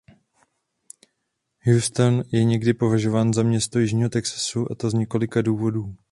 Houston je někdy považován za město jižního Texasu a to z několika důvodů.